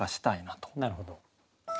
なるほど。